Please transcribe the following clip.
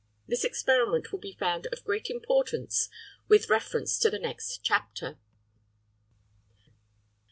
This experiment will be found of great importance with reference to the next chapter.